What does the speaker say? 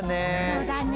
そうだね。